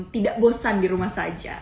tidak bosan di rumah saja